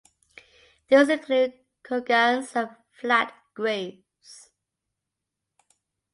These include kurgans and flat graves.